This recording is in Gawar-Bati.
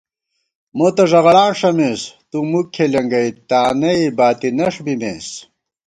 مو تہ ݫَغڑاں ݭَمېس تُومُک کھېلېنگَئ، تانئ باتِی نَݭ بِمېس